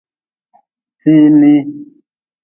Tii nii.